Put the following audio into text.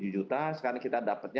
tujuh juta sekarang kita dapatnya